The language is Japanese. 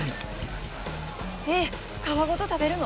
えっ皮ごと食べるの？